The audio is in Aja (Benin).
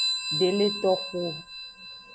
De le toxu o.